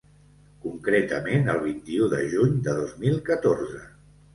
Concretament el vint-i-u de juny de dos mil catorze.